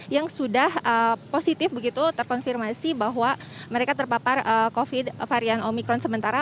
yang sudah positif begitu terkonfirmasi bahwa mereka terpapar covid varian omikron sementara